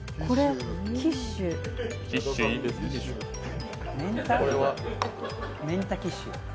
これ、キッシュ。